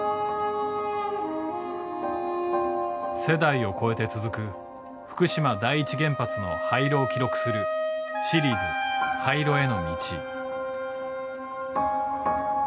世代を超えて続く福島第一原発の廃炉を記録するシリーズ「廃炉への道」。